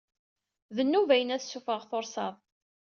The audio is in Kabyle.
D nnuba-inu ad ssuffɣeɣ tursaḍ.